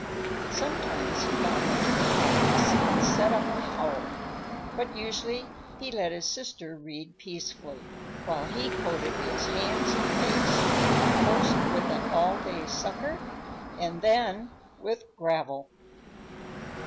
Sometimes he got into the cactus and set up a howl, but usually he let his sister read peacefully, while he coated his hands and face, first with an all day sucker and then with gravel.